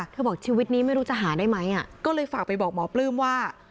บอกชีวิตนี้ไม่รู้จะหาได้ไหมก็เลยฝากไปบอกหมอปลื้มว่า